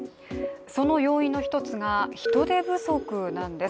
その要因の１つが人手不足なんです。